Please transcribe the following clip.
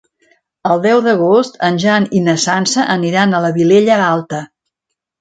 El deu d'agost en Jan i na Sança aniran a la Vilella Alta.